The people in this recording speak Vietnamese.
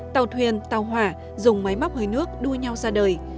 tàu thuyền tàu hỏa dùng máy móc hơi nước đua nhau ra đời